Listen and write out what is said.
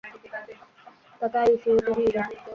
তাকে আইসিইউতে নিয়ে যাও।